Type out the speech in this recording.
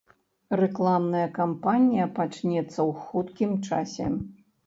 Рэкламная кампанія пачнецца ў хуткім часе.